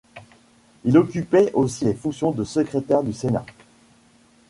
Il occupait aussi les fonctions de secrétaire du Sénat.